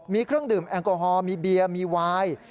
มีเครื่องดื่มแอลกอฮอลมีเบียร์มีวาย